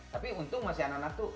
tapi untung masih anak anak tuh